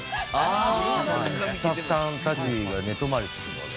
スタッフさんたちが寝泊まりするので。